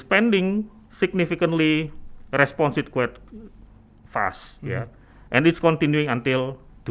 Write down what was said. penggunaan ini mengembangkan dengan secara signifikan dengan cepat